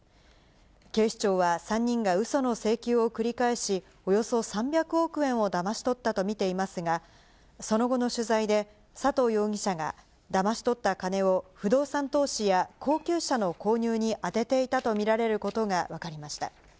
警視庁は３人がうその請求を繰り返し、およそ３００億円をだまし取ったと見ていますが、その後の取材で、佐藤容疑者がだまし取った金を不動産投資や高級車の購入に充てていたと見られることが分かりました。